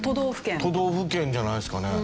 都道府県じゃないですかね？